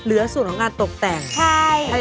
อุ๊ย